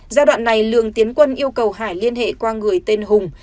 giai đoạn này lường tiến quân yêu cầu hải liên hệ qua người tên hùng